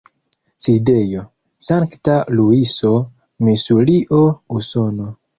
Sidejo: Sankta Luiso, Misurio, Usono.